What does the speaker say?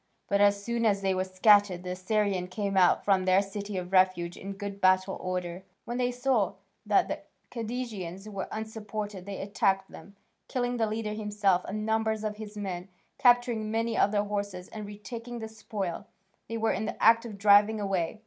But, as soon as they were scattered the Assyrians came out from their city of refuge in good battle order. When they saw that the Cadousians were unsupported they attacked them, killing the leader himself and numbers of his men, capturing many of their horses and retaking the spoil they were in the act of driving away.